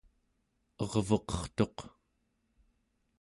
ervuqertuq